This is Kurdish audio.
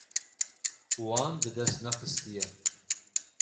Wan bi dest nexistiye.